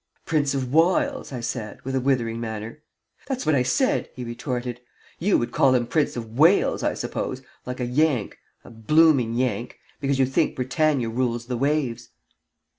"Prince o' Wiles?" I said, with a withering manner. "That's what I said," he retorted. "You would call him Prince of Whales, I suppose like a Yank, a blooming Yank because you think Britannia rules the waves."